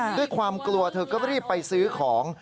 ด้วยความกลัวเธอก็รีบไปซื้อของ